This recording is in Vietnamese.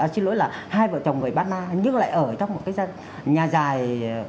xin lỗi là hai vợ chồng người ba na nhưng lại ở trong một cái nhà dài